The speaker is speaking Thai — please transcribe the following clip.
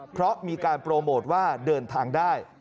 เพราะมีการโปรโมทว่าเดินทางได้